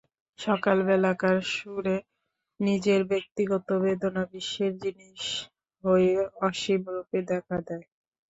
সকালবেলাকার সুরে নিজের ব্যক্তিগত বেদনা বিশ্বের জিনিস হয়ে অসীমরূপে দেখা দেয়।